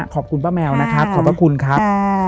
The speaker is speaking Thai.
ขอบคุณป้าแมวนะครับขอบพระคุณครับ